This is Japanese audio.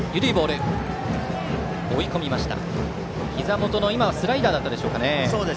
ひざ元のスライダーだったでしょうか。